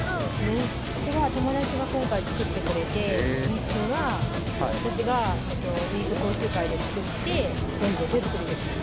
衣装は友達が今回、作ってくれて、ウイッグは、私がウィッグ講習会で作って、全部、手作りです。